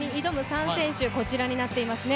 ３選手、こちらになっていますね。